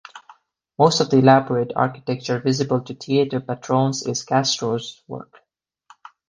Most of the elaborate architecture visible to theater patrons is Castro's work.